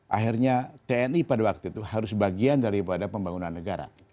akhirnya tni pada waktu itu harus bagian daripada pembangunan negara